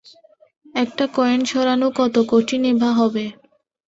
একটা কয়েন সরানো কত কঠিনই বা হবে?